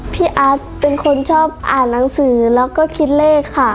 พี่อาร์ตเป็นคนชอบอ่านหนังสือแล้วก็คิดเลขค่ะ